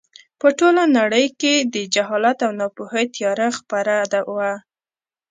په ټوله نړۍ کې د جهالت او ناپوهۍ تیاره خپره وه.